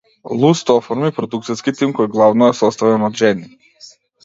Луст оформи продукциски тим кој главно е составен од жени.